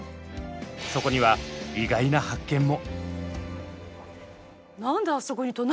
そこには意外な発見も！